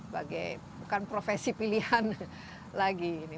bukan profesi pilihan lagi